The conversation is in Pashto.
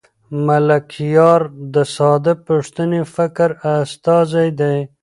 ملکیار د ساده پښتني فکر استازی دی.